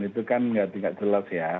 itu kan tidak jelas ya